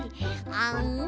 あん。